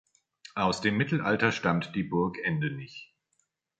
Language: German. Aus dem Mittelalter stammt die Burg Endenich.